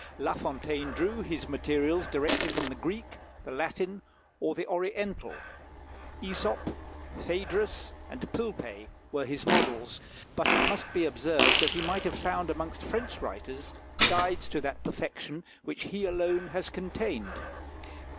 La Fontaine drew his materials directly from the Greek, the Latin, or the Oriental, Æsop, Phædrus, and Pilpay were his models; but it must be observed that he might have found amongst French writers guides to that perfection which he alone has attained.